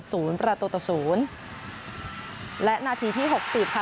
ศูนย์ประตูต่อศูนย์และนาทีที่หกสิบค่ะ